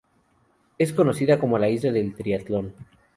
Es conocida como la "Isla del triatlón".